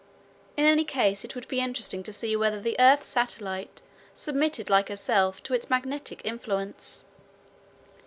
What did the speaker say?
In any case it would be interesting to see whether the earth's satellite submitted like herself to its magnetic influence.